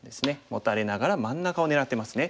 モタれながら真ん中を狙ってますね。